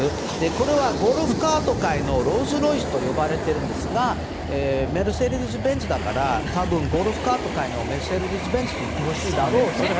これはゴルフカート界のロールス・ロイスといわれているんですがメルセデス・ベンツだから多分、ゴルフカート界のメルセデス・ベンツと言ってほしいだろうと。